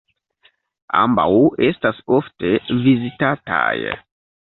Ambaŭ estas ofte vizitataj.